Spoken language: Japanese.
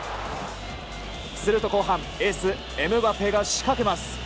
すると後半はエース、エムバペが仕掛けます。